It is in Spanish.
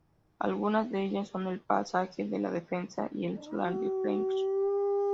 Algunas de ellas son el "Pasaje de la Defensa" y "El Solar de French".